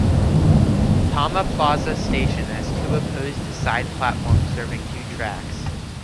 Tama Plaza Station has two opposed side platforms serving two tracks.